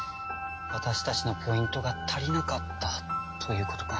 私たちのポイントが足りなかったということか。